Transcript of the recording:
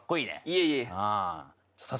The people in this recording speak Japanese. いえいえ。